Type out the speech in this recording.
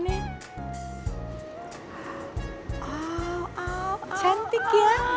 iya cantik banget